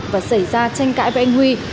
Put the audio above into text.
và xảy ra tranh cãi với anh huy